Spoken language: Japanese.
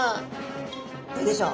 どうでしょう？